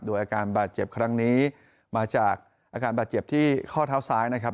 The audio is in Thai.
โดยอาการบาดเจ็บครั้งนี้มาจากอาการบาดเจ็บที่ข้อเท้าซ้ายนะครับ